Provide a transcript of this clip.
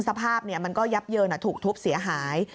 สภาพมันก็ยับเยินถูกทุบเสียหาย